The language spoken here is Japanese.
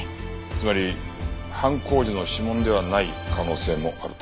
つまり犯行時の指紋ではない可能性もあると。